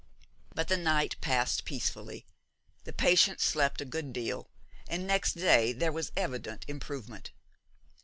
But the night passed peacefully, the patient slept a good deal, and next day there was evident improvement.